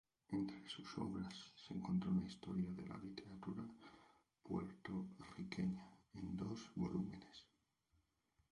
Entre sus obras se encontró una "Historia de la literatura puertorriqueña" en dos volúmenes.